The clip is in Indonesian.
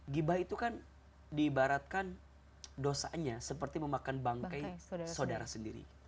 gibah itu kan diibaratkan dosanya seperti memakan bangkai saudara sendiri